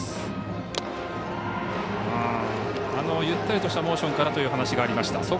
ゆったりとしたモーションからという話がありました。